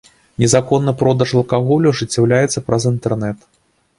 Незаконны продаж алкаголю ажыццяўляўся праз інтэрнэт.